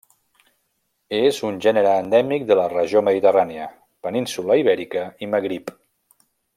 És un gènere endèmic de la regió mediterrània, Península Ibèrica i Magrib.